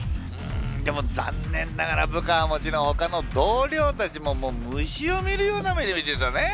でも残念ながら部下はもちろんほかの同僚たちも虫を見るような目で見てたね。